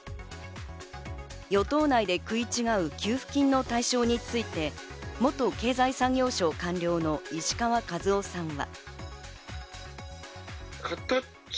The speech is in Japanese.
与党内で食い違う給付金の対象について元経済産業省官僚の石川和男さんは。